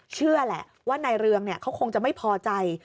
เชื่อแหละว่านายเรืองเขาคงจะไม่พอใจ